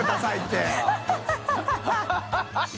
ハハハ